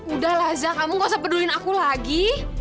udah lah zaa kamu gak usah peduliin aku lagi